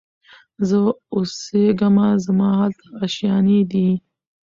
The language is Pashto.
زه اوسېږمه زما هلته آشیانې دي